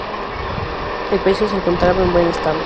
El pecio se encontraba en buen estado.